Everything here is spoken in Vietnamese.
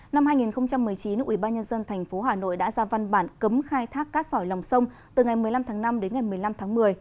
năm hai nghìn một mươi chín nội ủy ban nhân dân tp hà nội đã ra văn bản cấm khai thác cát sỏi lòng sông từ ngày một mươi năm tháng năm đến ngày một mươi năm tháng một mươi